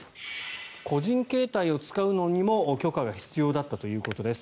個人携帯を使うのにも許可が必要だったということです。